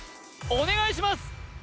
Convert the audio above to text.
お願いします